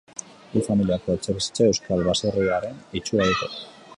Bi familiako etxebizitzek euskal baserriaren itxura dute.